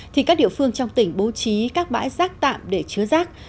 thì các địa phương trong tỉnh bố trí các bãi rác tạm để chứa rác